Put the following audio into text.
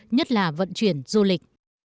nhất là vận chuyển du lịch